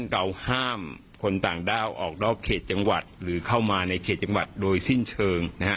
เราห้ามคนต่างด้าวออกนอกเขตจังหวัดหรือเข้ามาในเขตจังหวัดโดยสิ้นเชิง